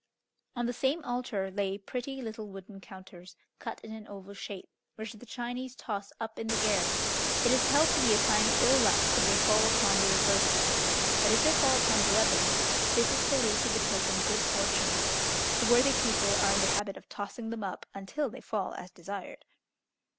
On the same altar lay pretty little wooden counters cut in an oval shape, which the Chinese toss up in the air; it is held to be a sign of ill luck if they fall upon the reverse side, but if they fall upon the other, this is believed to betoken good fortune. The worthy people are in the habit of tossing them up until they fall as desired.